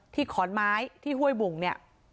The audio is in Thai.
ขอนไม้ที่ห้วยบุ่งเนี่ย